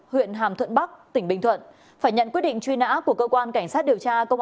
huyện hàm thuận bắc tỉnh bình thuận phải nhận quyết định truy nã của cơ quan cảnh sát điều tra công an